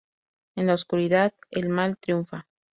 En la oscuridad, el mal triunfa.